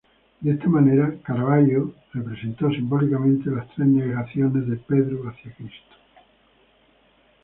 De esta manera, Caravaggio representó simbólicamente las tres negaciones de Pedro hacia Cristo.